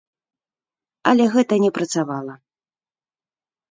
Але гэта не працавала.